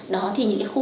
đó thì những cái khu vực